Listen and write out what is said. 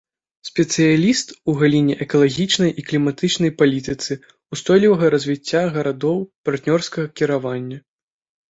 Спецыяліст у галіне экалагічнай і кліматычнай палітыцы, устойлівага развіцця гарадоў, партнёрскага кіравання.